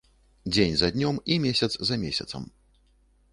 Дзень за днём і месяц за месяцам.